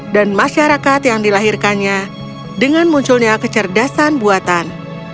dan masyarakat yang dilahirkannya dengan munculnya kecerdasan buatan